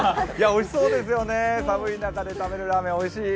おいしそうですよね、寒い中で食べるラーメンはおいしい。